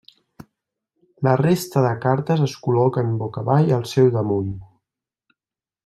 La resta de cartes es col·loquen boca avall al seu damunt.